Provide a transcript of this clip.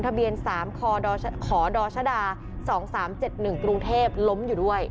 ทะเบียนสามขอดอชดาสองสามเจ็ดหนึ่งกรุงเทพล้มอยู่ด้วย